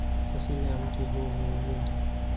Asili ya mti huu ni Uhindi.